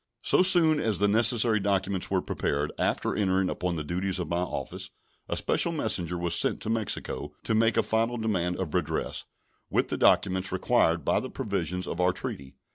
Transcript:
So soon as the necessary documents were prepared, after entering upon the duties of my office, a special messenger was sent to Mexico to make a final demand of redress, with the documents required by the provisions of our treaty.